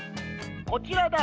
こちらだ。